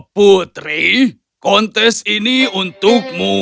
putri kontes ini untukmu